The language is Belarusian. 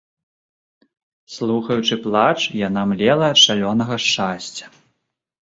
Слухаючы плач, яна млела ад шалёнага шчасця.